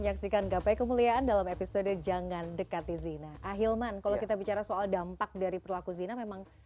menyaksikan gapai kemuliaan dalam episode jangan dekati zina ahilman kalau kita bicara soal dampak dari perlaku zina memang